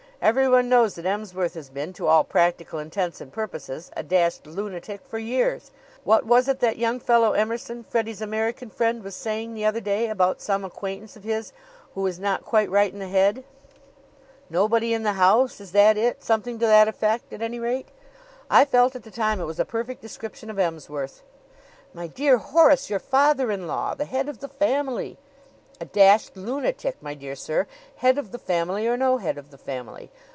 Everyone knows that Emsworth has been, to all practical intents and purposes, a dashed lunatic for years. What was it that young fellow Emerson, Freddie's American friend, was saying, the other day about some acquaintance of his who is not quite right in the head? Nobody in the house is that it? Something to that effect, at any rate. I felt at the time it was a perfect description of Emsworth." "My dear Horace! Your father in law! The head of the family!" "A dashed lunatic, my dear sir head of the family or no head of the family.